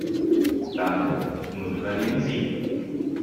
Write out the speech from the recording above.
Danke. Nun übernehmen Sie.